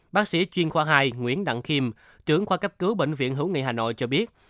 bác sĩ chuyên khoa hai nguyễn đặng khiêm trưởng khoa cấp cứu bệnh viện hữu nghị hà nội cho biết